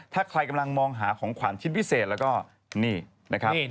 ถ้าใครกำลังมองหาของขวัญชิ้นพิเศษแล้วก็นี่นะครับ